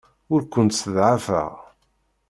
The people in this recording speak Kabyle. Ur kent-sseḍɛafeɣ.